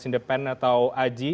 mas indepen atau aji